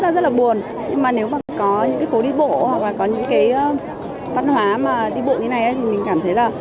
mà đi bộ như thế này thì mình cảm thấy là